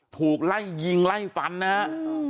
ถูกไล่ยิงไล่ฟันนะฮะ